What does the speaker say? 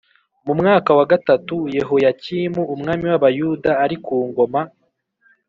Mu mwaka wa gatatu Yehoyakimu umwami w’Abayuda ari ku ngoma